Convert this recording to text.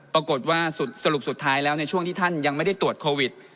สรุปสุดท้ายแล้วในช่วงที่ท่านยังไม่ได้ตรวจโควิด